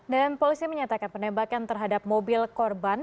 dan polisi menyatakan penembakan terhadap mobil korban